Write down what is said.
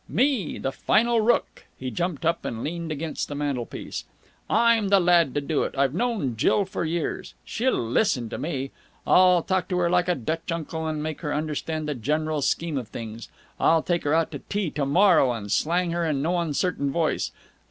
"Me! The Final Rooke!" He jumped up, and leaned against the mantelpiece. "I'm the lad to do it. I've known Jill for years. She'll listen to me. I'll talk to her like a Dutch uncle and make her understand the general scheme of things. I'll take her out to tea to morrow and slang her in no uncertain voice!